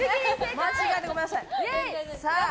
間違えてごめんなさい。